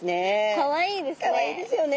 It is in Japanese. かわいいですね。